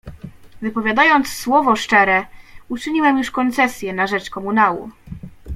Wypowiadając słowo „szczere”, uczyniłem już koncesję na rzecz komunału.